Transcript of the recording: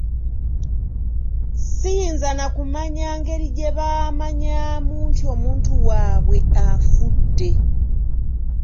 Ssiyinza na kumanya ngeri gye baamanyaamu nti omuntu waabwe afudde.